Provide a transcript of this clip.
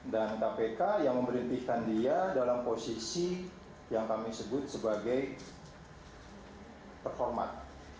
dan kpk yang memberhentikan dia dalam posisi yang kami sebut sebagai terhormat